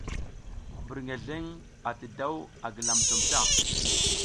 Birngeleŋ ati daw a gilam jom ta.